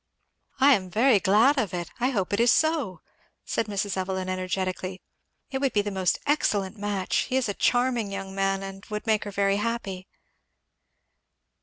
"I am very glad of it! I hope it is so!" said Mrs. Evelyn energetically. "It would be a most excellent match. He is a charming young man and would make her very happy."